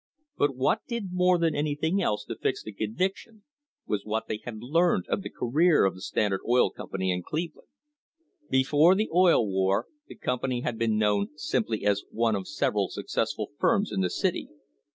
But what did more than anything else to fix the conviction was what they had learned of the career of the Standard Oil Company in Cleveland. Before the Oil War the THE HISTORY OF THE STANDARD OIL COMPANY company had been known simply as one of several successful firms in that city.